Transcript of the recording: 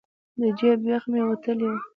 د جیب بیخ به مې وتلی و.